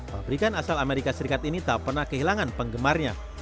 pabrikan asal amerika serikat ini tak pernah kehilangan penggemarnya